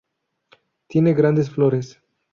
Tiene grandes flores.